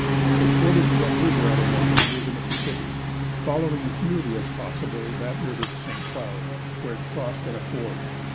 It forded the Rum River at Anoka, near the Mississippi, following as nearly as possible that river to St. Cloud, where it crossed at a ford.